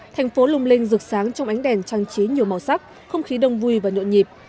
thành phố lung linh rực sáng trong ánh đèn trang trí nhiều màu sắc không khí đông vui và nhộn nhịp